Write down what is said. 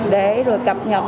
để cập nhật